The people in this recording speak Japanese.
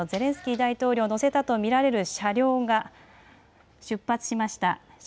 ウクライナのゼレンスキー大統領を乗せたと見られる車両が出発しました。